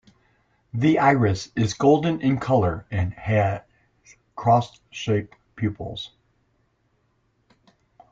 The iris is golden in colour and it has cross-shaped pupils.